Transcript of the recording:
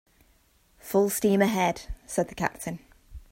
"Full steam ahead," said the captain.